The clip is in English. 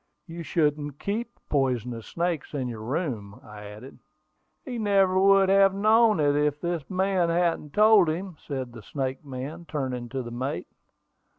"You shouldn't keep poisonous snakes in your room," I added. "He never would have known it if this man hadn't told him," said the snake man, turning to the mate.